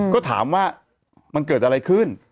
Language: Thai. ก็ถามว่ามันเกิดอะไรขึ้น